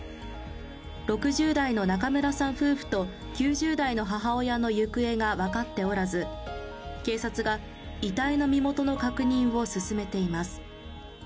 ６０代の中村さん夫婦と９０代の母親の行方が分かっておらず、警察が遺体の身元の確認を進めています。